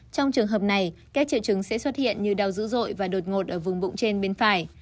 trong trường hợp này các triệu chứng sẽ xuất hiện như đau dữ dội và đột ngột ở vùng bụng trên bên phải